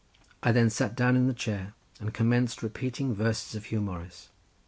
I then sat down in the chair, and commenced repeating verses of Huw Morris.